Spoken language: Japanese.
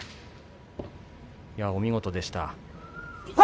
お見事でした。